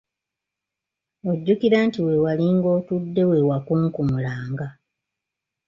Ojjukira nti we walinga otudde we wakunkumulanga.